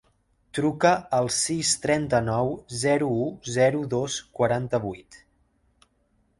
Truca al sis, trenta-nou, zero, u, zero, dos, quaranta-vuit.